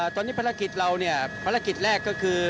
ตอนนี้ภารกิจเราเนี่ยภารกิจแรกก็คือ